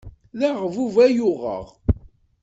D aɣbub ay uɣeɣ.